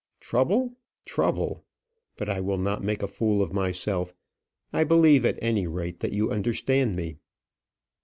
"Trouble trouble! But I will not make a fool of myself. I believe at any rate that you understand me."